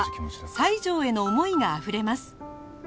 西条への思いがあふれます